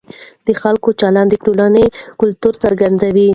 د خلکو چلند د ټولنې کلتور څرګندوي.